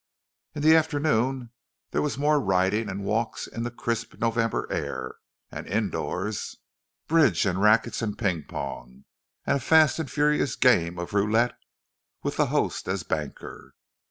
In the afternoon there was more riding, and walks in the crisp November air; and indoors, bridge and rackets and ping pong, and a fast and furious game of roulette, with the host as banker.